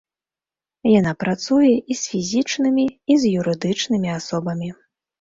Яна працуе і з фізічнымі, і з юрыдычнымі асобамі.